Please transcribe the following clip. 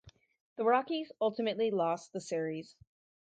The Rockies ultimately lost the series.